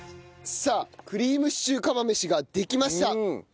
さあクリームシチュー釜飯ができました。